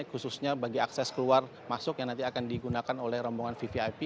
khususnya bagi akses keluar masuk yang nanti akan digunakan oleh rombongan vvip